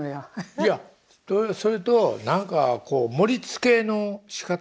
いやそれと何か盛りつけのしかた。